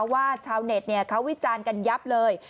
ชาวเน็ตเขาวิจารณ์กันยับเลย